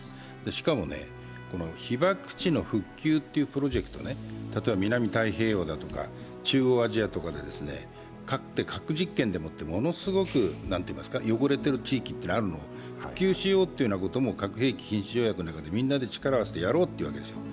しかも被爆地の復旧っていうプロジェクトね、例えば南太平洋だとか中央アジアとかかつて核実験でもってものすごく汚れている地域がある、復旧しようというのも核兵器禁止条約の中でみんなで力を合わせてやろうってわけですよ。